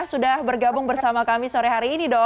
sudah bergabung bersama kami sore hari ini dong